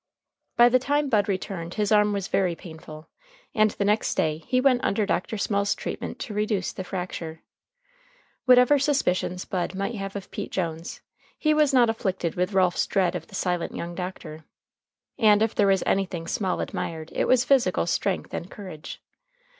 By the time Bud returned his arm was very painful, and the next day he went under Dr. Small's treatment to reduce the fracture. Whatever suspicions Bud might have of Pete Jones, he was not afflicted with Ralph's dread of the silent young doctor. And if there was anything Small admired it was physical strength and courage.